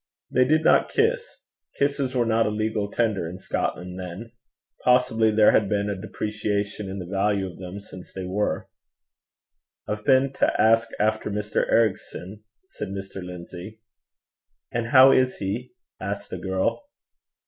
They did not kiss: kisses were not a legal tender in Scotland then: possibly there has been a depreciation in the value of them since they were. 'I've been to ask after Mr. Ericson,' said Mr. Lindsay. 'And how is he?' asked the girl.